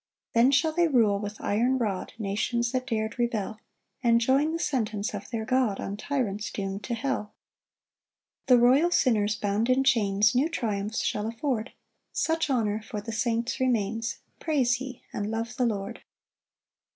7 Then shall they rule with iron rod Nations that dar'd rebel; And join the sentence of their God On tyrants doom'd to hell. 8 The royal sinners bound in chains New triumphs shall afford; Such honour for the saints remains: Praise ye, and love the Lord.